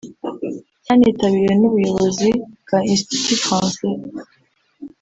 Cyanitabiriwe n’ubuyobozi bwa Institut Français